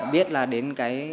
biết là đến cái